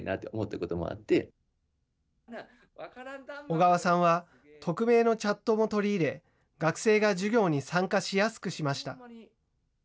小川さんは、匿名のチャットも取り入れ、学生が授業に参加しやすくしました。